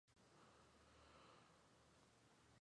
双眼刺仿刺铠虾为铠甲虾科仿刺铠虾属下的一个种。